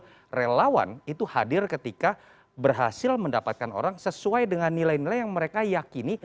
karena relawan itu hadir ketika berhasil mendapatkan orang sesuai dengan nilai nilai yang mereka yakini